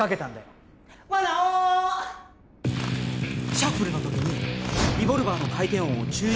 シャッフルのときにレボルバーの回転音を注意